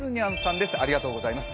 ありがとうございます。